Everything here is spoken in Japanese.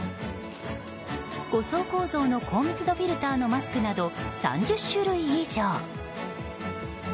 ５層構造の高密度フィルターのマスクなど３０種類以上。